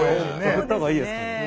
贈った方がいいですかね。